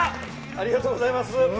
ありがとうございます。